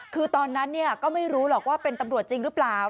คือตอนนั้นก็ไม่รู้หรอกว่าเป็นตำรวจจริงหรือเปล่า